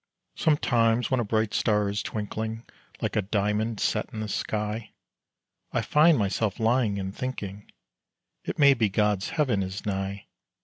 Sometimes when a bright star is twinkling Like a diamond set in the sky, I find myself lying and thinking, It may be God's heaven is nigh.